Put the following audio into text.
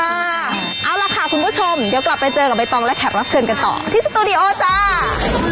เอาล่ะค่ะคุณผู้ชมเดี๋ยวกลับไปเจอกับใบตองและแขกรับเชิญกันต่อที่สตูดิโอจ้า